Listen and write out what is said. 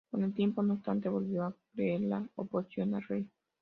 Con el tiempo, no obstante, volvió a crecer la oposición al rey.